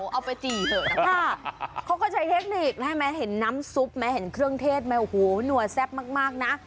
เอาไปจี่เขาก็ใช้เทคนิคให้แม้เห็นน้ำซุปแม้เห็นเครื่องเทศไหมโหหนัวแซ่บมากนะ